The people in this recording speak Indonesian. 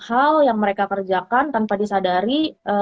hal yang mereka kerjakan tanpa disadari